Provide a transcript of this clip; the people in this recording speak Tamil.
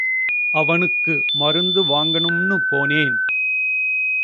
அவனுக்கு மருந்து வாங்கனும்னு போனேன்.